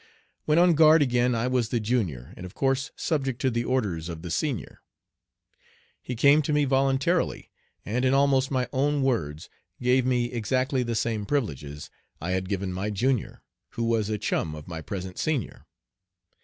When on guard again I was the junior, and of course subject to the orders of the senior. He came to me voluntarily, and in almost my own words gave me exactly the same privileges I had given my junior, who was a chum of my present senior.